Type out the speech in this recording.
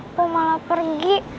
mpau malah pergi